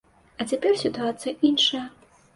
А цяпер сітуацыя іншая.